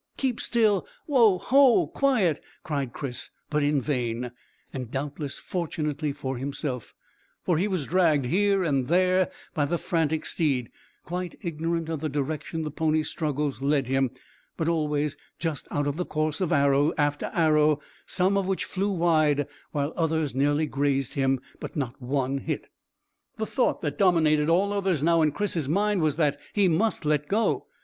"Keep still wo ho! quiet!" cried Chris; but in vain, and doubtless fortunately for himself, for he was dragged here and there by the frantic steed, quite ignorant of the direction the pony's struggles led him, but always just out of the course of arrow after arrow, some of which flew wide, while others nearly grazed him, but not one hit. The thought that dominated all others now in Chris's mind was that he must let go.